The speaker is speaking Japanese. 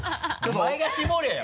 お前が絞れよ！